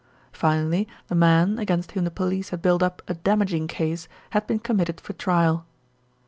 Finally the man, against whom the police had built up a damaging case, had been committed for trial.